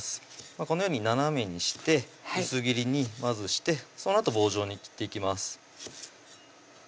このように斜めにして薄切りにまずしてそのあと棒状に切っていきます